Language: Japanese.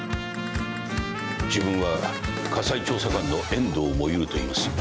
自分は火災調査官の遠藤萌といいます。